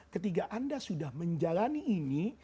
ketika anda sudah menjalani ini